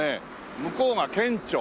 向こうが県庁。